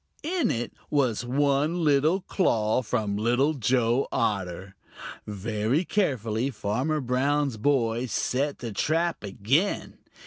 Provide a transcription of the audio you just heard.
In it was one little claw from Little Joe Otter. Very carefully Farmer Brown's boy set the trap again.